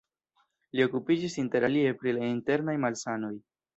Li okupiĝis inter alie pri la internaj malsanoj.